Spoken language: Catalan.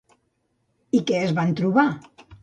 I què es van trobar?